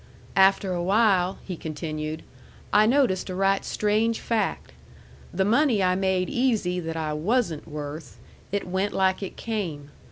"After a while," he continued, "I noticed a right strange fact. The money I made easy that I WASN'T worth, it went like it came.